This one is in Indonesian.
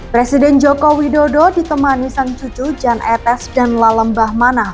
presiden joko widodo ditemani sang cucu jan etes dan lalembah manah